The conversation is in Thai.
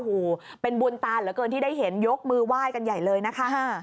โอ้โหเป็นบุญตาเหลือเกินที่ได้เห็นยกมือไหว้กันใหญ่เลยนะคะ